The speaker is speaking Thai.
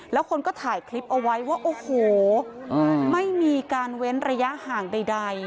แล้วคนก็ถ่ายคลิปเอาไว้ว่าโอ้โหไม่มีการเว้นระยะห่างใด